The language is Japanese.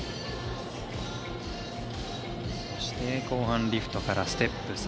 後半、リフトからステップ。